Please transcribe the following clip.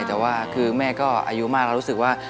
แต่ว่าคือแม่ก็อายุมากแล้วรู้สึกว่า